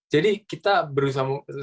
jadi kita berusaha